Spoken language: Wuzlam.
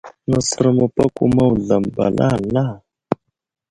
Nəsər məpako ma wuzlam ba alala.